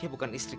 dia bukan istriku